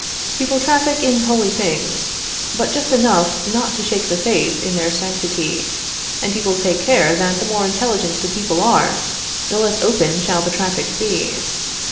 He will traffic in holy things, but just enough not to shake faith in their sanctity, and he will take care that the more intelligent the people are, the less open shall the traffic be.